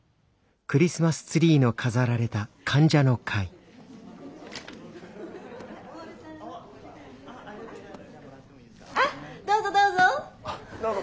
・あっどうぞどうぞ。